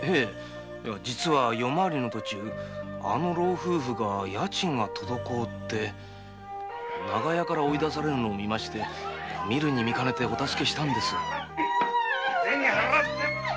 実は夜回りの途中あの老夫婦が家賃が滞って長屋から追い出されるのを見て見かねてお助けしたんです。